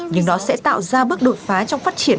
nhưng nó sẽ tạo ra bước đột phá trong phát triển